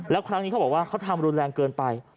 แล้วครั้งนี้เขาบอกว่าเขาทำรุนแรงเกินไป